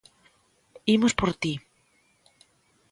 Imos por ti.